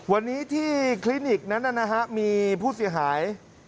วันนี้ที่คลินิกนั้นนะฮะมีผู้เสียหาย